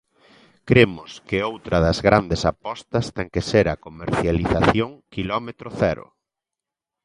Cremos que outra das grandes apostas ten que ser a comercialización quilómetro cero.